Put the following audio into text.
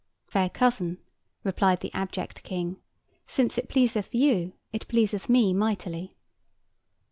'Fair cousin,' replied the abject King, 'since it pleaseth you, it pleaseth me mightily.